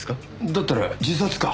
だったら自殺か？